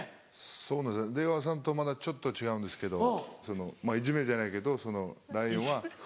そうなんです出川さんとはまたちょっと違うんですけどそのいじめじゃないけどＬＩＮＥは。